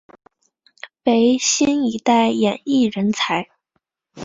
为新一代演艺人才。